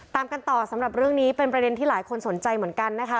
ตามกันต่อสำหรับเรื่องนี้เป็นประเด็นที่หลายคนสนใจเหมือนกันนะคะ